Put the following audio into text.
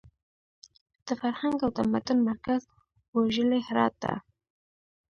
د فرهنګ او تمدن مرکز ویرژلي هرات ته!